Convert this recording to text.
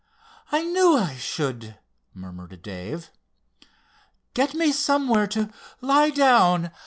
I knew I should," murmured Dave. "Get me somewhere to lie down.